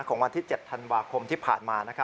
ของวันที่๗ธันวาคมที่ผ่านมา